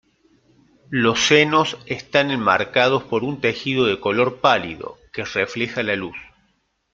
Los senos están enmarcados por un tejido de color pálido, que refleja la luz.